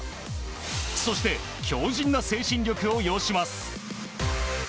そして、強靭な精神力を要します。